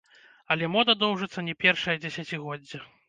Але мода доўжыцца не першае дзесяцігоддзе.